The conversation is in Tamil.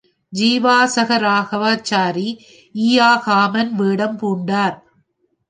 ஸ்ரீவாசராகவாச்சாரி ஈயாகாமன் வேடம் பூண்டனர்.